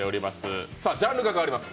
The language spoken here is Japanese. ジャンルが変わります。